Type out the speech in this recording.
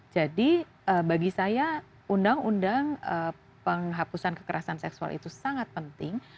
jadi bagi saya undang undang penghapusan kekerasan seksual itu sangat penting